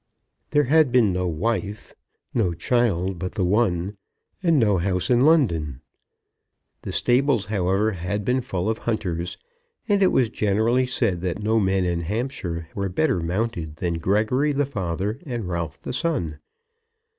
There had been no wife, no child but the one, and no house in London. The stables, however, had been full of hunters: and it was generally said that no men in Hampshire were better mounted than Gregory the father and Ralph the son.